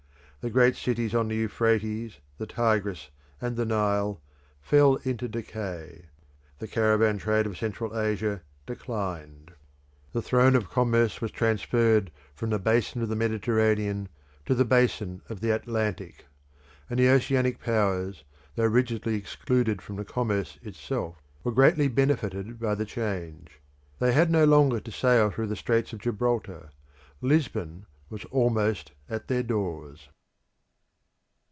The great cities on the Euphrates, the Tigris, and the Nile fell into decay; the caravan trade of Central Asia declined; the throne of commerce was transferred from the basin of the Mediterranean to the basin of the Atlantic; and the oceanic powers, though rigidly excluded from the commerce itself, were greatly benefited by the change. They had no longer to sail through the straits of Gibraltar; Lisbon was almost at their doors.